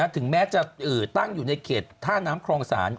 ถึงแม้จะตั้งอยู่ในเขตท่าน้ำคลองศาล